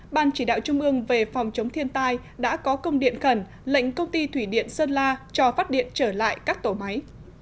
ban chỉ đạo trung ương về phòng chống thiên tai đã có công điện khẩn lệnh công ty thủy điện sơn la cho phát điện trở lại các tổ máy